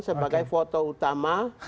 sebagai foto utama